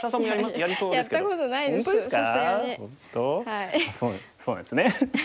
そうなんですね。